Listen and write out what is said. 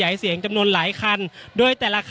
อย่างที่บอกไปว่าเรายังยึดในเรื่องของข้อ